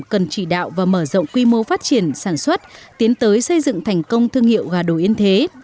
cần chỉ đạo và mở rộng quy mô phát triển sản xuất tiến tới xây dựng thành công thương hiệu gà đồ yên thế